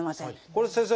これ先生